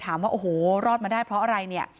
ถามว่าโอ้โหรอดมาได้เพราะอะไรเนี่ย